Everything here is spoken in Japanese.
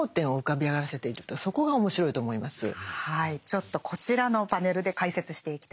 ちょっとこちらのパネルで解説していきたいんですが